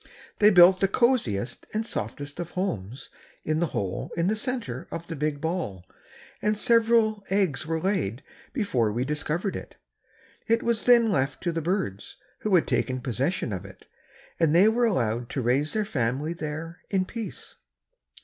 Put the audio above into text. They built the coziest and softest of homes in the hole in the center of the big ball and several eggs were laid before we discovered it. It was then left to the birds who had taken possession of it and they were allowed to raise their family there in peace.